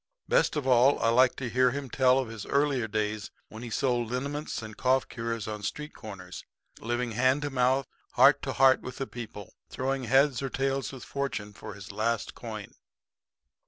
Best of all I like to hear him tell of his earlier days when he sold liniments and cough cures on street corners, living hand to mouth, heart to heart with the people, throwing heads or tails with fortune for his last coin.